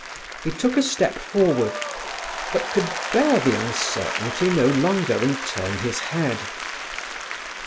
He took a step forward, but could bear the uncertainty no longer and turned his head.